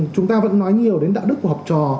chúng ta vẫn nói nhiều đến đạo đức của học trò